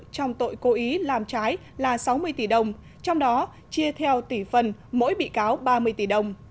trong tội cố ý làm trái là sáu mươi tỷ đồng trong đó chia theo tỷ phần mỗi bị cáo ba mươi tỷ đồng